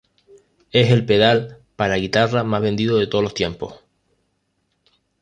Es el pedal para guitarra más vendido de todos los tiempos.